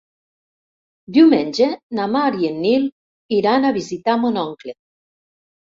Diumenge na Mar i en Nil iran a visitar mon oncle.